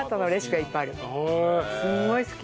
すんごい好き。